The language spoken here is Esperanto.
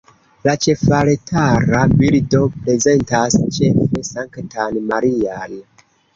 La ĉefaltara bildo prezentas ĉefe Sanktan Marian.